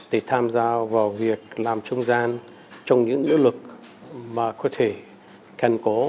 để tham gia vào việc làm trung gian trong những nỗ lực mà có thể cần có